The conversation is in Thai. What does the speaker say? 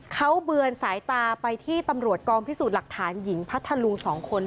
เขาเบือนสายตาไปที่ตำรวจกองพิสูจน์หลักฐานหญิงพัทธลุง๒คน